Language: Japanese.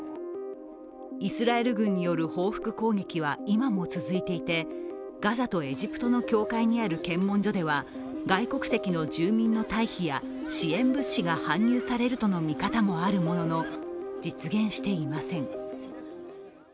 イスラエル軍による報復攻撃は今も続いていてガザとエジプトの境界にある検問所では外国籍の住民の退避や支援物資が搬入されるとの見方もあるものの、実現していません。